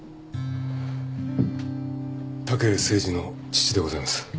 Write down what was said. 武誠治の父でございます。